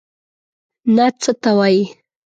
نعت څه ته وايي.